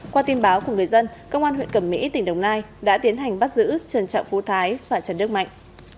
qua tin báo của người dân công an huyện cẩm mỹ tỉnh đồng nai đã tiến hành bắt giữ trần trọng phú thái và trần đức mạnh